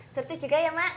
seperti juga ya mak